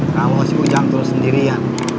kamu masih ujang turun sendirian